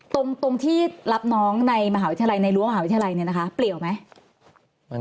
ตรงที่รับน้องในรั้วมหาวิทยาลัยเนี่ยนะคะเปลี่ยวไหม